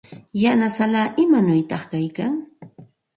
Yanasallaa, ¿imanawta kaykanki?